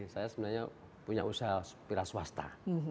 saya sebenarnya punya usaha pira swasta